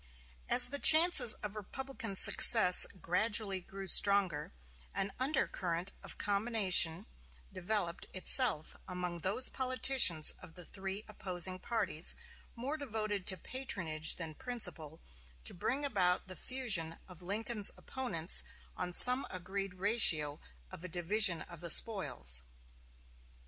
As the chances of Republican success gradually grew stronger, an undercurrent of combination developed itself among those politicians of the three opposing parties more devoted to patronage than principle, to bring about the fusion of Lincoln's opponents on some agreed ratio of a division of the spoils.